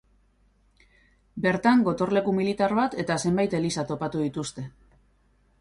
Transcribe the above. Bertan gotorleku militar bat eta zenbait eliza topatu dituzte.